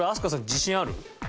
自信ある？